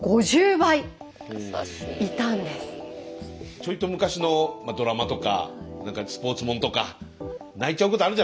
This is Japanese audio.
ちょいと昔のドラマとかスポーツもんとか泣いちゃうことあるじゃないですかなんか一人で。